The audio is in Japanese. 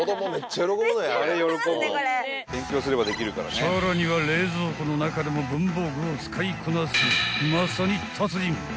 ［さらには冷蔵庫の中でも文房具を使いこなすまさに］